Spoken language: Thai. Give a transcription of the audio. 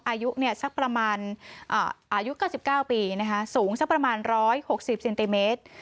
อายุสักประมาณอายุ๙๙ปีสูงสักประมาณ๑๖๐เซนติเมตร